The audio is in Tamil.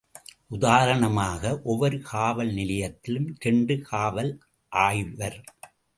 உதாரணமாக ஒவ்வொரு காவல் நிலையத்திலும் இரண்டு காவல் ஆய்வர்.